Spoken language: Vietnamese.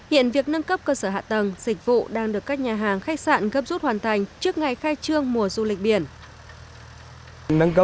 hiện việc nâng cấp cơ sở hạ tầng dịch vụ đang được các nhà hàng khách sạn gấp rút hoàn thành trước ngày khai trương mùa du lịch biển